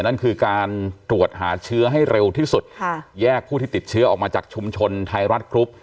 นั่นคือการตรวจหาเชื้อให้เร็วที่สุดแยกผู้ที่ติดเชื้อออกมาจากชุมชนไทยรัฐกรุ๊ป